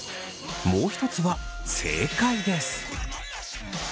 もう一つは正解です。